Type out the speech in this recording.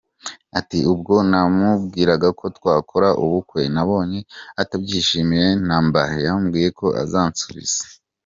Ati” Ubwo namubwiraga ko twakora ubukwe nabonye atabyishimiye na mba, yambwiye ko azansubiza.